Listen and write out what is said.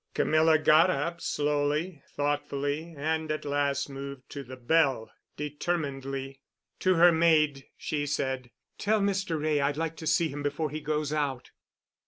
Camilla got up, slowly, thoughtfully, and at last moved to the bell determinedly. To her maid she said, "Tell Mr. Wray I'd like to see him before he goes out."